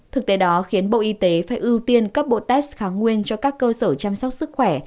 thực tế đó khiến bộ y tế phải ưu tiên cấp bộ test kháng nguyên cho các cơ sở chăm sóc sức khỏe